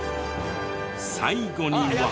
最後には。